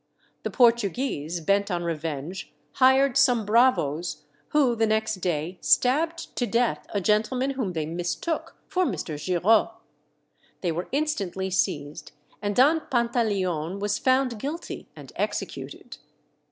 The Portuguese, bent on revenge, hired some bravos, who the next day stabbed to death a gentleman whom they mistook for Mr. Giraud. They were instantly seized, and Don Pantaleon was found guilty and executed.